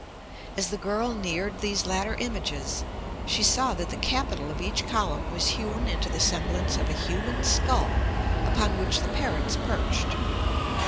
As the girl neared these latter images she saw that the capital of each column was hewn into the semblance of a human skull upon which the parrots perched.